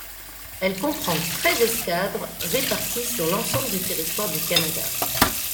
Elle comprend treize escadres réparties sur l'ensemble du territoire du Canada.